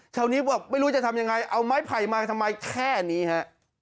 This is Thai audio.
แถวนี้บอกไม่รู้จะทำยังไงเอาไม้ไผ่มาทำไมแค่นี้ฮะ